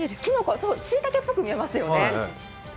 そう、しいたけっぽく見えますよね。